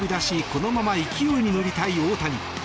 このまま勢いに乗りたい大谷。